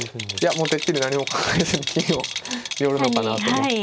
もうてっきり何も考えずに金を寄るのかなと思ったんですけど。